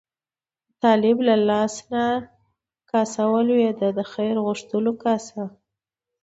د طالب له لاس نه کاسه ولوېده، د خیر غوښتلو کاسه.